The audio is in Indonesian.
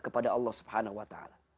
kepada allah swt